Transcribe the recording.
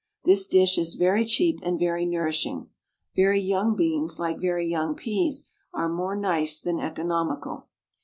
This dish is very cheap and very nourishing. Very young beans, like very young peas, are more nice than economical.